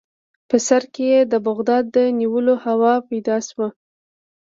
په سر کې یې د بغداد د نیولو هوا پیدا شوه.